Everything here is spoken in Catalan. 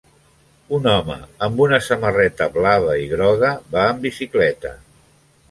Un home amb una samarreta blava i groga va en bicicleta.